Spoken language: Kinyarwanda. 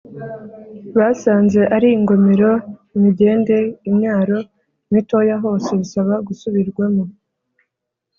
Basanze ari ingomero imigende imyaro mitoya hose bisaba gusubirwamo